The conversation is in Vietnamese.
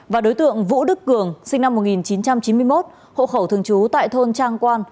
và đối tượng vũ đức cường sinh năm một nghìn chín trăm chín mươi một hộ khẩu thường trú tại thôn trang quan